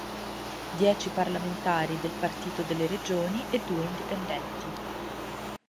Dieci parlamentari del Partito delle Regioni e due indipendenti.